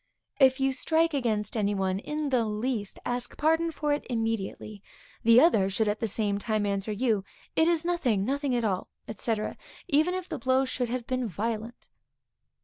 If you strike against any one in the least, ask pardon for it immediately. The other should at the same time answer you, It is nothing, nothing at all, &c., even if the blow should have been violent.